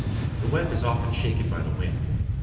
The web is often shaken by the wind.